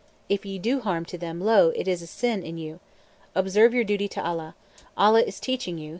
If ye do (harm to them) lo! it is a sin in you. Observe your duty to Allah. Allah is teaching you.